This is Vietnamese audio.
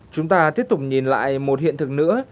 chúng ta tiếp tục nhìn lại một hiện thực nữa